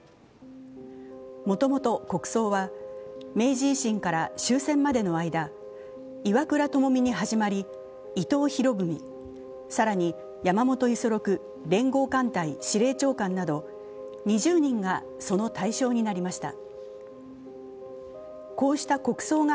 もともと国葬は明治維新から終戦までの間、岩倉具視に始まり、伊藤博文、更に山本五十六連合艦隊司令長官など２０人がその対象になりました。